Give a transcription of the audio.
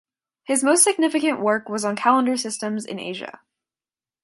His most significant work was on calendar systems in Asia.